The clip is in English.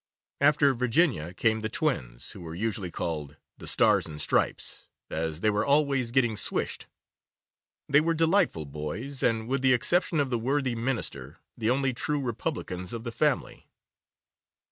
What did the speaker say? After Virginia came the twins, who were usually called 'The Stars and Stripes,' as they were always getting swished. They were delightful boys, and with the exception of the worthy Minister the only true republicans of the family.